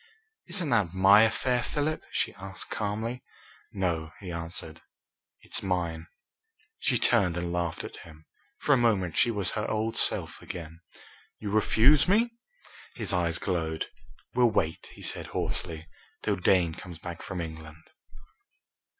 "Isn't that my affair, Philip?" she asked calmly. "No," he answered, "it's mine!" She turned and laughed at him. For a moment she was her old self again. "You refuse me?" His eyes glowed. "We'll wait," he said hoarsely, "till Dane comes back from England!"